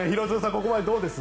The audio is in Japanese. ここまでどうです？